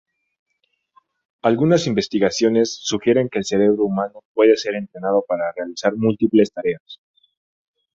Algunas investigaciones sugieren que el cerebro humano puede ser entrenado para realizar múltiples tareas.